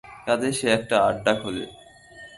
কাজেই সে একটা আড্ডা খোঁজে।